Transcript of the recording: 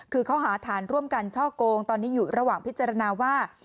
คือเขาหาฐานร่วมกันช่อกงตอนนี้อยู่ระหว่างพิจารณาว่า